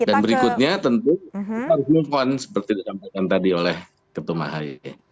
dan berikutnya tentu harus mohon seperti disampaikan tadi oleh ketum ahi